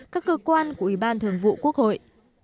các cơ quan của ủy ban thường vụ quốc hội